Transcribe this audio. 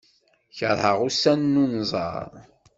Keṛheɣ ussan n unẓar.